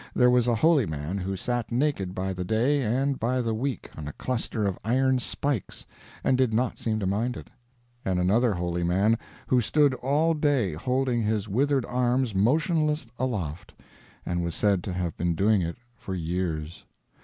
There was a holy man who sat naked by the day and by the week on a cluster of iron spikes, and did not seem to mind it; and another holy man, who stood all day holding his withered arms motionless aloft, and was said to have been doing it for years.